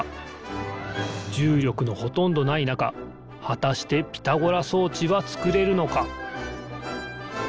じゅうりょくのほとんどないなかはたしてピタゴラそうちはつくれるのか？